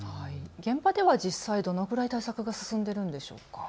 現場では実際、どのくらい対策が進んでいるんでしょうか。